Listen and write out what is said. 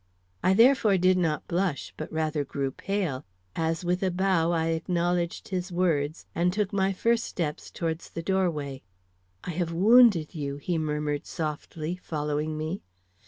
I therefore did not blush, but rather grew pale, as with a bow I acknowledged his words, and took my first step towards the doorway. "I have wounded you," he murmured, softly, following me.